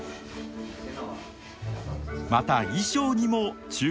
また衣装にも注目！